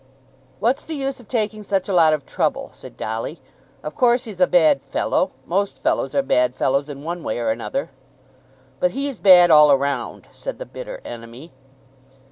"What's the use of taking such a lot of trouble?" said Dolly. "Of course he's a bad fellow. Most fellows are bad fellows in one way or another." "But he's bad all round," said the bitter enemy.